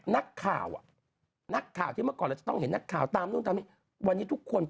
นางคิดแบบว่าไม่ไหวแล้วไปกด